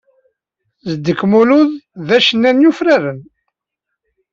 Zedek Mulud d acennay yufraren.